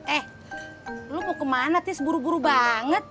eh lo mau kemana tis buru buru banget